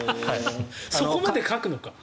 そこまで書くのか。